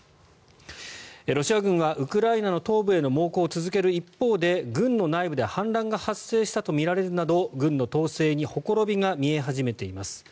ロシア軍はウクライナの東部への猛攻を続ける一方で軍の内部で反乱が発生したとみられるなど軍の統制にほころびが見え始めています。